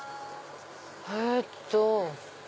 えっと。